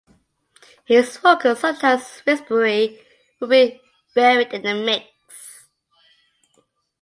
His vocals, sometimes whispery, would be buried in the mix.